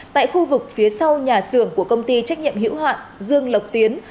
tại khu vực phía sau nhà xưởng của công ty trách nhiệm hữu hạn dương lộc tiến